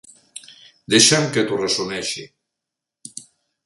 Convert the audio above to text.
Deixa'm que t'ho resumeixi.